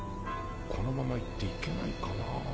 このまま行って行けないかな。